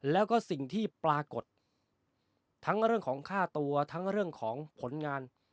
แล้วก็สิ่งที่ปรากฏทั้งเรื่องของค่าตัวทั้งเรื่องของผลงาน